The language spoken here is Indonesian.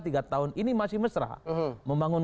tiga tahun ini masih mesra membangun